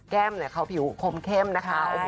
แก้วเขาผิวขมเข้มนะคะ